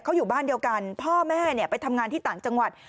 เขาอยู่บ้านเดียวกันพ่อแม่เนี่ยไปทำงานที่ต่างจังหวัด